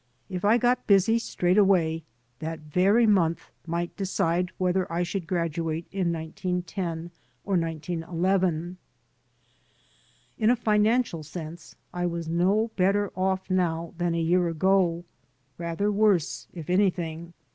If I got busy straight away, that very month might decide whether I should graduate in 1910 or 1911. 187 AN AMERICAN IN THE MAKING In a financial sense I was no better off now than a year ago — rather worse, if anything.